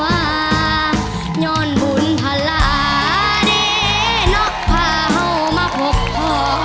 ว่าย้อนภูมิภาระได้เนาะพาเขามาพบพอ